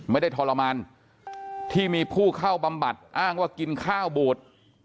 ทรมานที่มีผู้เข้าบำบัดอ้างว่ากินข้าวบูด